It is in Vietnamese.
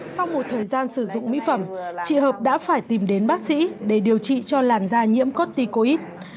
sau một thời gian sử dụng mỹ phẩm chị hợp đã phải tìm đến bác sĩ để điều trị cho làn da nhiễm cotticoid